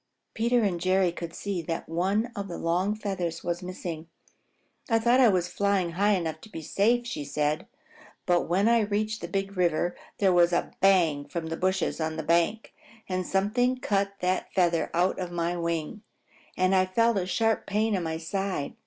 Peter and Jerry could see that one of the long feathers was missing. "I thought I was flying high enough to be safe," said she, "but when I reached the Big River there was a bang from the bushes on the bank, and something cut that feather out of my wing, and I felt a sharp pain in my side.